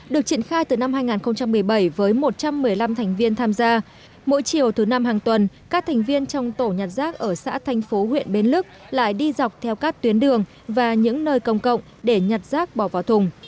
được triển khai từ năm hai nghìn một mươi bảy với một trăm một mươi năm thành viên tham gia mỗi chiều thứ năm hàng tuần các thành viên trong tổ nhặt rác ở xã thanh phú huyện bến lức lại đi dọc theo các tuyến đường và những nơi công cộng để nhặt rác bỏ vào thùng